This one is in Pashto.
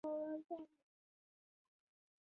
د روي د توري په استعمال کې احتیاط کړی.